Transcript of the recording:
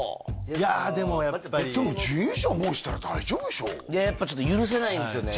いやでもやっぱり準優勝もうしたら大丈夫でしょいややっぱ許せないんですよね